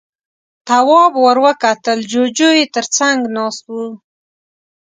تواب ور وکتل، جُوجُو يې تر څنګ ناست و.